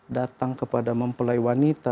datang kepada mempelai wanita